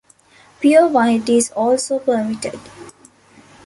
Pure white is also permitted.